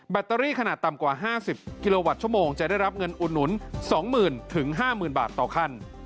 ตเตอรี่ขนาดต่ำกว่า๕๐กิโลวัตต์ชั่วโมงจะได้รับเงินอุดหนุน๒๐๐๐๕๐๐๐บาทต่อขั้น